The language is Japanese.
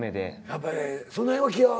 やっぱりその辺は。